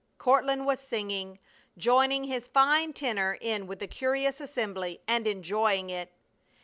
Courtland was singing, joining his fine tenor in with the curious assembly and enjoying it.